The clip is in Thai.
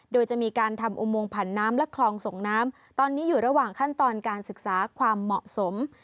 โดยจะมีการทำอุโมงผันน้ำและคลองส่งน้ำตอนนี้อยู่ระหว่างขั้นตอนการศึกษาความเหมาะสม